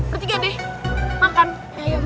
ketiga deh makan